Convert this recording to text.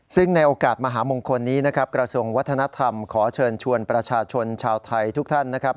ซึ่งในโอกาสมหามงคลนี้นะครับกระทรวงวัฒนธรรมขอเชิญชวนประชาชนชาวไทยทุกท่านนะครับ